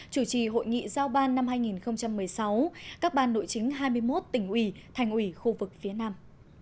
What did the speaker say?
chủ trì hội nghị giao ban năm hai nghìn một mươi sáu các ban nội chính hai mươi một tỉnh ủy thành ủy khu vực phía nam